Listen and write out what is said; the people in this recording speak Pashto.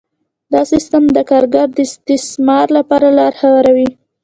دا سیستم د کارګر د استثمار لپاره لاره هواروي